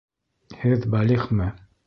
Һеҙ бәлиғме?